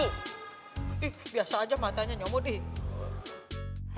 ih biasa aja matanya nyomot ih